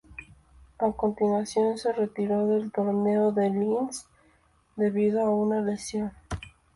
A continuación, se retiró del torneo de Linz debido a una lesión.